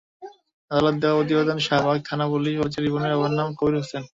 আদালতে দেওয়া প্রতিবেদনে শাহবাগ থানা-পুলিশ বলেছে, রিপনের বাবার নাম কবির হোসেন।